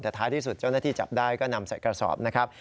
แต่ท้ายที่สุดเจ้าหน้าที่จับได้ก็นำใส่กระสอบนะครับ